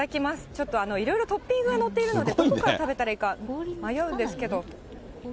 ちょっといろいろトッピングが載っているんで、どこから食べたらいいか迷うんですけど。